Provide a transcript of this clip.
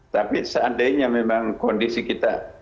tapi seandainya memang kondisi kita